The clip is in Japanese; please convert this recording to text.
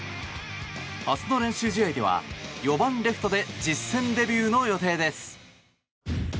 明日の練習試合では４番レフトで実戦デビューの予定です。